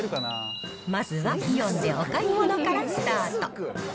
まずは、イオンでお買い物からスタート。